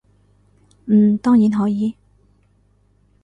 嗯，當然可以